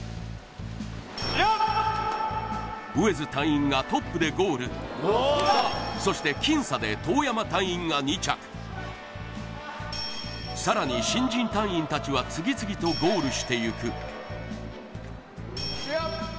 上江洲隊員がトップでゴールそして僅差で當山隊員が２着さらに新人隊員たちは次々とゴールしてゆく終了！